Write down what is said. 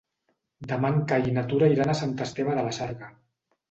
Demà en Cai i na Tura iran a Sant Esteve de la Sarga.